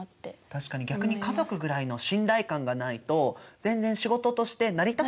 確かに逆に家族ぐらいの信頼感がないと全然仕事として成り立たない仕事だもんね。